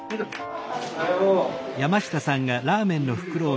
おはよう。